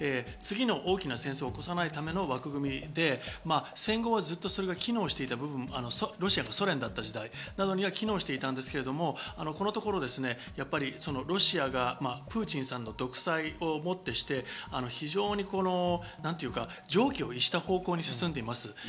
次の大きな戦争を起こさないための枠組みで戦後はずっとそれが機能していた部分、ロシアがソ連だった時代などには機能していたんですけど、このところロシアがプーチンさんの独裁をもってして、非常に常軌を逸した方向に進んでいます。